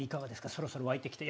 そろそろ湧いてきて？